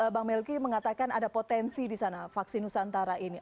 bang melki mengatakan ada potensi di sana vaksin nusantara ini